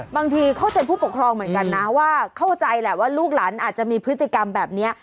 บางทีเข้าใจผู้ปกครองเหมือนกันนะว่าเข้าใจแหละว่าลูกหลานอาจจะมีพฤติกรรมแบบนี้